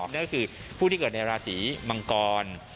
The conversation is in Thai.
นั่นก็คือผู้ที่เกิดในราศีมังกร